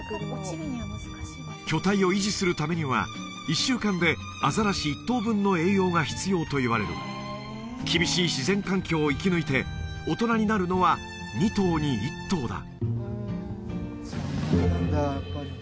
巨体を維持するためには１週間でアザラシ１頭分の栄養が必要といわれる厳しい自然環境を生き抜いて大人になるのは２頭に１頭だ